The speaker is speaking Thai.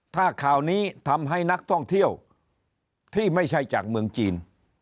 ถ้าข่าวนี้ทำให้นักท่องเที่ยวที่ไม่ใช่จากเมืองจีน